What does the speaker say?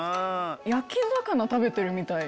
焼き魚食べてるみたい。